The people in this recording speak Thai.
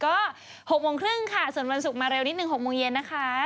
ก็๖โมงครึ่งค่ะส่วนวันศุกร์มาเร็วนิดนึง๖โมงเย็นนะคะ